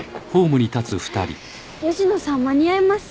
佳乃さん間に合います？